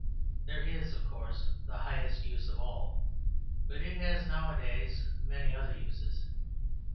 There is, of course, the highest use of all; but it has nowadays many other uses.